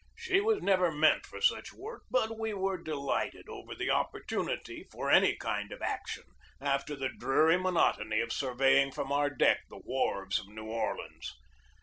She was never meant for such work, but we were delighted over the opportunity for any kind of action after the dreary monotony of survey ing from our deck the wharves of New Orleans.